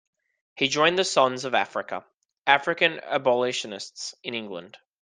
He joined the Sons of Africa, African abolitionists in England.